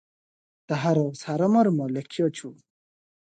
ତାହାର ସାରମର୍ମ ଲେଖିଅଛୁ ।